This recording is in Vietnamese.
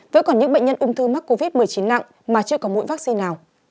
vẫn còn những bệnh nhân ung thư mắc covid một mươi chín nặng mà chưa có mũi vaccine nào